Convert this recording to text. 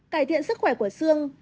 cải thiện sức khỏe của xương